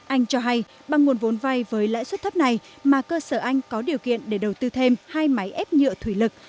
anh cho hay bằng nguồn vốn vai với lãi suất thấp này mà cơ sở anh có điều kiện để đầu tư thêm hai máy ép nhựa thủy lực